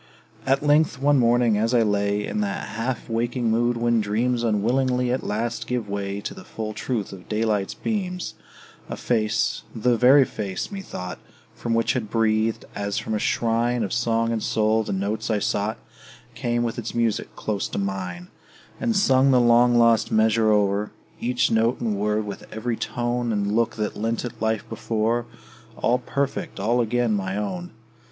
At length, one morning, as I lay In that half waking mood when dreams Unwillingly at last gave way To the full truth of daylight's beams, A face the very face, methought, From which had breathed, as from a shrine Of song and soul, the notes I sought Came with its music close to mine; And sung the long lost measure o'er, Each note and word, with every tone And look, that lent it life before, All perfect, all again my own!